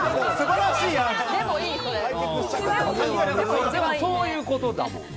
でも、そういうことだもん。